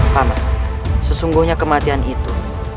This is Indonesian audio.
paman sesungguhnya kematian itu